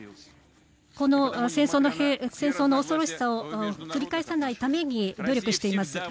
この戦争の恐ろしさを繰り返さないために努力しています。